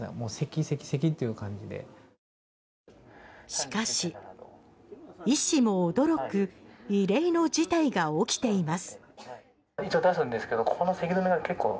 しかし、医師も驚く異例の事態が起きています。